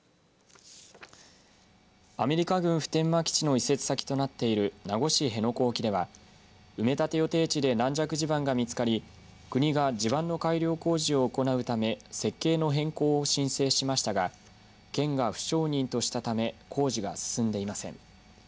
アメリカ軍普天間基地の移設先となっている名護市辺野古沖では埋め立て予定地で軟弱地盤が見つかり国が地盤の改良工事を行うため設計の変更を申請しましたが県が不承認としたため工事が進んでいません。